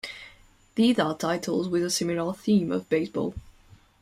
These are titles with a similar theme of baseball.